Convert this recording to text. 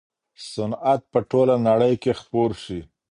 صنعت به په ټوله نړۍ کي خپور سي.